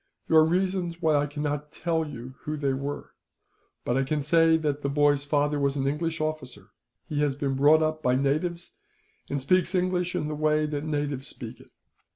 There are reasons why I cannot tell you who they were, but I can say that the boy's father was an English officer. He has been brought up by natives, and speaks English in the way that natives speak it.